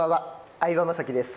相葉雅紀です。